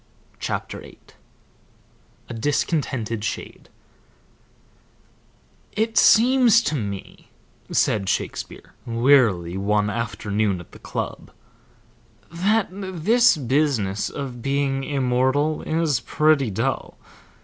CHAPTER VIII: A DISCONTENTED SHADE "It seems to me," said Shakespeare, wearily, one afternoon at the club "that this business of being immortal is pretty dull.